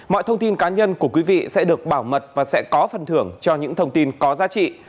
mọi thông tin cá nhân của quý vị sẽ được bảo mật và sẽ có phần thưởng cho những thông tin có giá trị